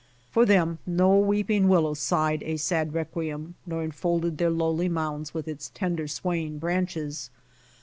For them no weeping willow sighed a sad requiem nor enfolded their lowly mounds with its tender, swaying branches.